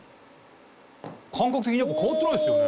感覚的にやっぱ変わってないですよね。